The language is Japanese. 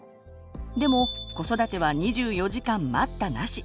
でも子育ては２４時間待ったなし。